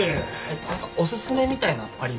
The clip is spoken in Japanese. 何かおすすめみたいなあります？